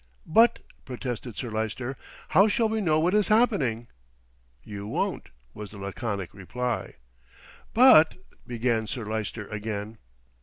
"But," protested Sir Lyster, "how shall we know what is happening?" "You won't," was the laconic reply. "But " began Sir Lyster again.